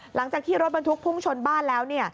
หลังจากที่รถบรรทุกพุ่งชนบ้านแล้ว